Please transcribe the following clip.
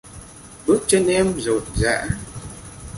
Bước chân em rộn rã...